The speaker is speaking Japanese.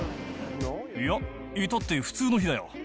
いや、いたって普通の日だよ。